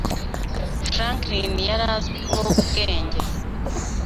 Franklin yari azwiho ubwenge.